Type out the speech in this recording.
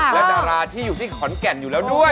และดาราที่อยู่ที่ขอนแก่นอยู่แล้วด้วย